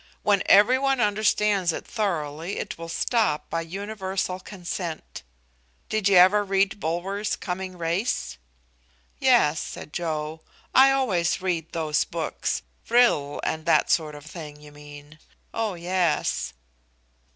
When every one understands it thoroughly, it will stop by universal consent. Did you ever read Bulwer's 'Coming Race'?" "Yes," said Joe. "I always read those books. Vril, and that sort of thing, you mean? Oh yes."